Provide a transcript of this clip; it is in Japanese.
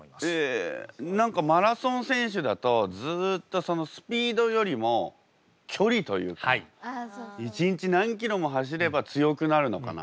え何かマラソン選手だとずっとそのスピードよりも距離というか一日何キロも走れば強くなるのかな。